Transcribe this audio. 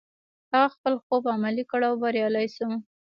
هغه خپل خوب عملي کړ او بريالی شو.